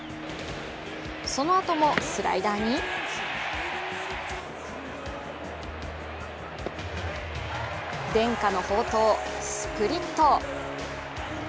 そのあともスライダーに、伝家の宝刀・スプリット。